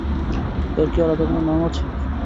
এর কি আলাদা কোনো নাম আছে?